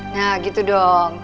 nah gitu dong